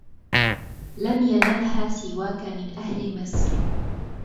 لم ينلها سواك من أهل مصر